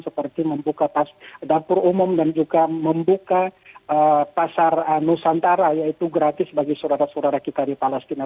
seperti membuka dapur umum dan juga membuka pasar nusantara yaitu gratis bagi saudara saudara kita di palestina